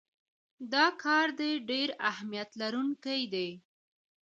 دا کار د ډیر اهمیت لرونکی دی.